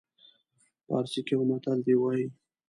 پارسي کې یو متل دی وایي.